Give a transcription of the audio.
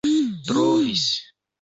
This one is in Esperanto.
trovis